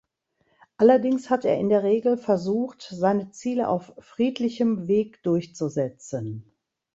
Allerdings hat er in der Regel versucht seine Ziele auf friedlichem Weg durchzusetzen.